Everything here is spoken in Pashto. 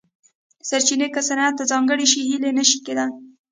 سرچینې که صنعت ته ځانګړې شي هیلې نه شي کېدای.